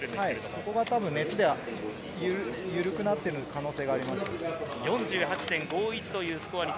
そこが熱で緩くなっている可能性があります。